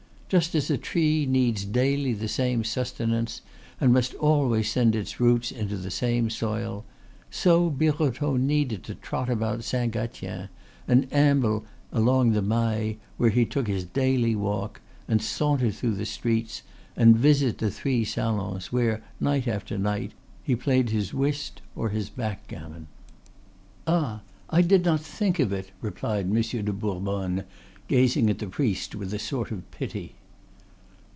Just as a tree needs daily the same sustenance, and must always send its roots into the same soil, so Birotteau needed to trot about Saint Gatien, and amble along the Mail where he took his daily walk, and saunter through the streets, and visit the three salons where, night after night, he played his whist or his backgammon. "Ah! I did not think of it!" replied Monsieur de Bourbonne, gazing at the priest with a sort of pity.